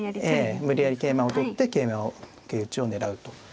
ええ無理やり桂馬を取って桂馬を桂打ちを狙うと。